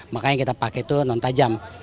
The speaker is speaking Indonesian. makanya kita pakai itu non tajam